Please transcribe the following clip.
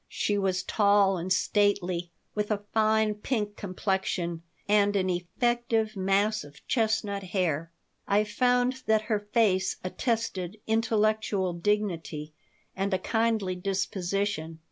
She was tall and stately, with a fine pink complexion and an effective mass of chestnut hair. I found that her face attested intellectual dignity and a kindly disposition.